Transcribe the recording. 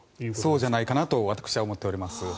そうじゃないかなと私は思っております。